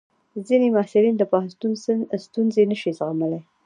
ځینې محصلین د پوهنتون ستونزې نشي زغملی.